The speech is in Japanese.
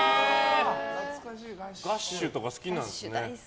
「ガッシュ」とか大好きなんですよ。